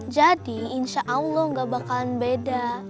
jadi insya allah gak bakalan beda